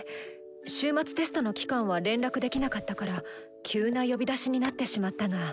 終末テストの期間は連絡できなかったから急な呼び出しになってしまったが。